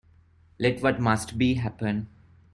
Let what must be, happen.